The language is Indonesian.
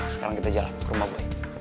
sekarang kita jalan ke rumah baik